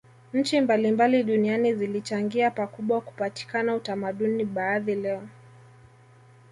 Nchi mbalimbali duniani zilichangia pakubwa kupatikana utamaduni baadhi leo